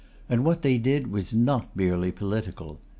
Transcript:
And what they did was not merely political.